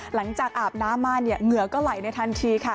อาบน้ำมาเนี่ยเหงื่อก็ไหลในทันทีค่ะ